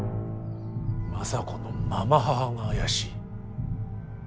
政子のまま母が怪しい。